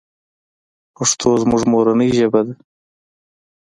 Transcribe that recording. پښتو زموږ مورنۍ ژبه ده .